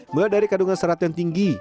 mulai dari kandungan serat yang tinggi